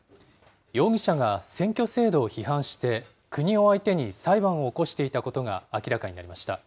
容疑者が選挙制度を批判して、国を相手に裁判を起こしていたことが明らかになりました。